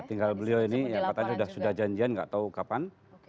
tinggal beliau ini yang katanya sudah janjian nggak tahu kapan